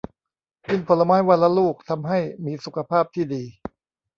กินผลไม้วันละลูกทำให้มีสุขภาพที่ดี